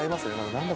何だ